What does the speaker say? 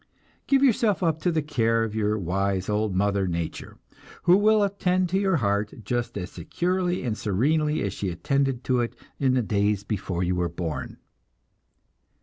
Give yourself up to the care of your wise old mother nature, who will attend to your heart just as securely and serenely as she attended to it in the days before you were born.